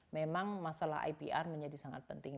memang masalah ipr menjadi sangat penting